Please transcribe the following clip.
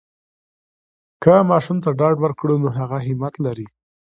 که ماشوم ته ډاډ ورکړو، نو هغه همت لری.